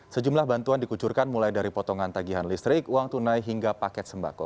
sejumlah bantuan dikucurkan mulai dari potongan tagihan listrik uang tunai hingga paket sembako